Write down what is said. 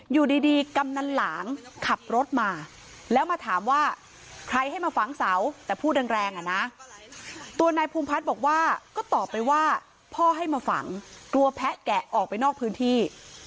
อยู่ดีกำนันหลางขับรถมาแล้วมาถามว่าใครให้มาฝังเสาแต่พูดแรงอ่ะนะตัวนายภูมิพัฒน์บอกว่าก็ตอบไปว่าพ่อให้มาฝังกลัวแพะแกะออกไปนอกพื้นที่